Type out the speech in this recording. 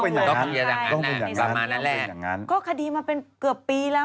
ประมาณนั้นแหละก็คดีมาเป็นเกือบปีแล้วอ่ะดังนั้นกระแสสังคมมาเยอะมากทีแล้ว